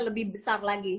lebih besar lagi